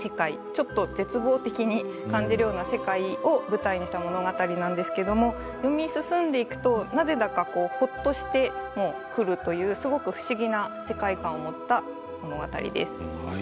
ちょっと絶望的に感じるような世界を舞台にした物語なんですけれど読み進んでいくとなぜだかほっとしてくるというすごく不思議な世界観を持った物語です。